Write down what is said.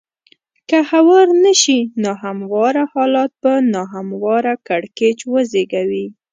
که هوار نه شي نا همواره حالات به نا همواره کړکېچ وزېږوي.